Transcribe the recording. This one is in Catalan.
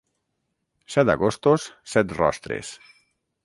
Set agostos, set rostres.